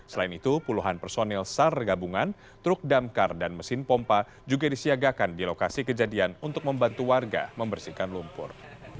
selain itu puluhan personil sar gabungan truk damkar dan mesin pompa juga disiagakan di lokasi kejadian untuk membantu warga membersihkan lumpur